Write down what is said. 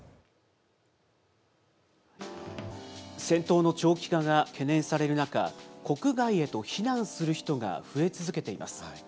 戦闘の長期化が懸念される中、国外へと避難する人が増え続けています。